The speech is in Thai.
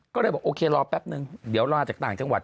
ก็เลยบอกโอเครอแป๊บนึงเดี๋ยวรอจากต่างจังหวัด